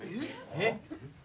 えっ？